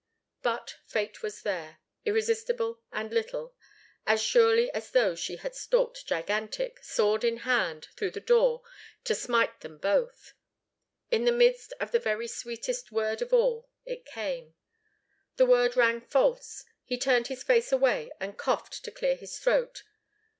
But Fate was there, irresistible and little, as surely as though she had stalked gigantic, sword in hand, through the door, to smite them both. In the midst of the very sweetest word of all, it came the word rang false, he turned his face away and coughed to clear his throat.